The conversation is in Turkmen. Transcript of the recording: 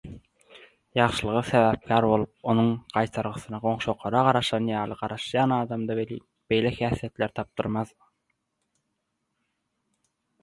Ýagşylyga sebäpkär bolup, onuň gaýtargysyna «goňşyokara» garaşan ýaly garaşýan adamda welin, beýle häsiýetler tapdyrmaz.